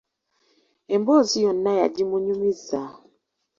Emboozi yonna yagimunyumiza.